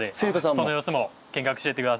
その様子も見学していって下さい。